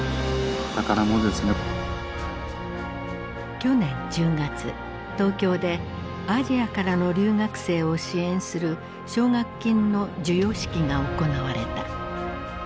去年１０月東京でアジアからの留学生を支援する奨学金の授与式が行われた。